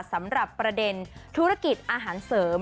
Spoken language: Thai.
สำหรับประเด็นธุรกิจอาหารเสริม